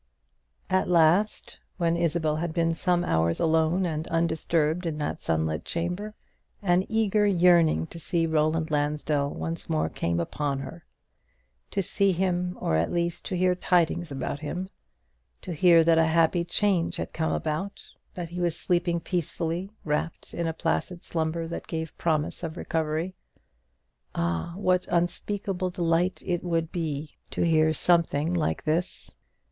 At last, when Isabel had been some hours alone and undisturbed in that sunlit chamber, an eager yearning to see Roland Lansdell once more came upon her, to see him, or at least to hear tidings of him; to hear that a happy change had come about; that he was sleeping peacefully, wrapt in a placid slumber that gave promise of recovery. Ah, what unspeakable delight it would be to hear something like this!